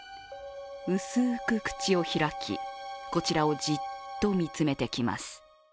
薄く口を開きこちらをじっと見つめてきます。